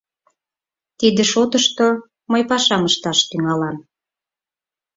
Тиде шотышто мый пашам ышташ тӱҥалам.